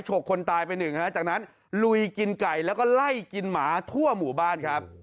กคนตายไปหนึ่งฮะจากนั้นลุยกินไก่แล้วก็ไล่กินหมาทั่วหมู่บ้านครับ